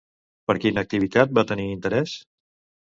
Per quina activitat va tenir interès?